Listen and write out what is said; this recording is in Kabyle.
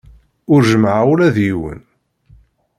Ur jemmɛeɣ ula d yiwen.